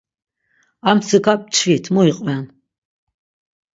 Armtsika mçvit mu iqven.